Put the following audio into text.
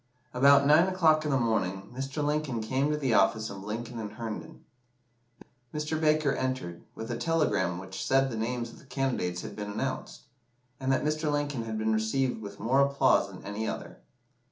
About nine o'clock in the morning, Mr. Lincoln came to the office of Lincoln and Herndon. Mr. Baker entered, with a telegram which said the names of the candidates had been announced, and that Mr. Lincoln's had been received with more applause than any other.